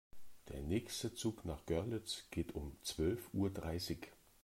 Der nächste Zug nach Görlitz geht um zwölf Uhr dreißig